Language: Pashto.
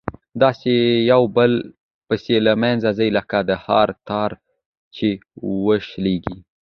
داسي يو په بل پسي له منځه ځي لكه د هار تار چي وشلېږي